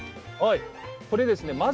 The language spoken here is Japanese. これですね